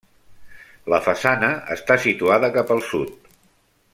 La façana està situada cap al sud.